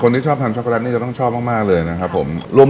ที่ชอบทานช็อกโลตนี่จะต้องชอบมากเลยนะครับผม